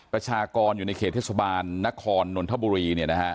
ประชากรอยู่ในเขตเทศบาลนครนนทบุรี